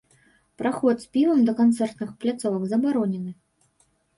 Праход з півам да канцэртных пляцовак забаронены.